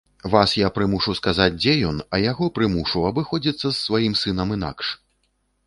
Вас я прымушу сказаць, дзе ён, а яго прымушу абыходзіцца з сваім сынам інакш.